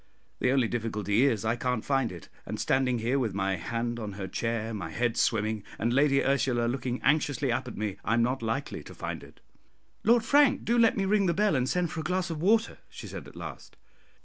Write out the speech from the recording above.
The only difficulty is, I can't find it and standing here with my hand on her chair, my head swimming, and Lady Ursula looking anxiously up at me, I am not likely to find it. "Lord Frank, do let me ring the bell and send for a glass of water," she said at last.